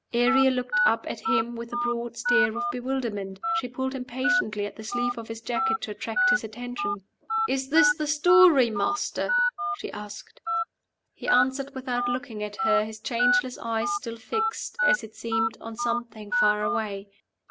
Ariel looked up at him with a broad stare of bewilderment. She pulled impatiently at the sleeve of his jacket to attract his notice. "Is this the story, Master?" she asked. He answered without looking at her, his changeless eyes still fixed, as it seemed, on something far away.